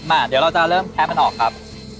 เดี๋ยวเราจะเริ่มแพ้มันออกครับ